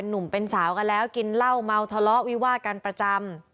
หนุ่มเป็นสาวกันแล้วกินเหล้าเมาทะเลาะวิวาดกันประจำ